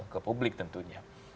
ke publik tentunya